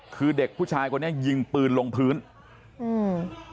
คือเด็กผู้ชายคนนี้ยิงปืนลงพื้นอืม